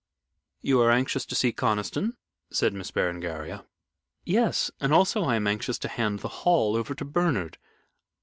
"You are anxious to see Conniston?" said Miss Berengaria. "Yes. And I am also anxious to hand the Hall over to Bernard.